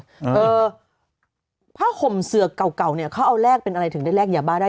เออพ่อขมเสือกเก่าเนี่ยเค้าเอาแลกเป็นอะไรถึงได้แลกอย่าบ้าได้